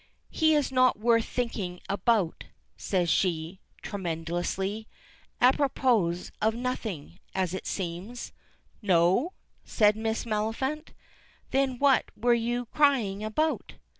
"He is not worth thinking about," says she, tremulously, apropos of nothing, as it seems. "No?" says Miss Maliphant; "then what were you crying about?"